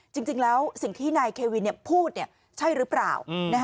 จริงแล้วสิ่งที่นายเควินพูดใช่หรือเปล่า